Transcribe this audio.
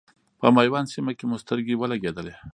په میوند سیمه کې مو سترګې ولګېدلې.